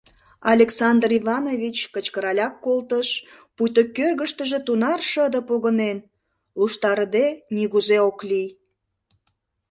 — Александр Иванович кычкыраляк колтыш, пуйто кӧргыштыжӧ тунар шыде погынен, луштарыде нигузе ок лий.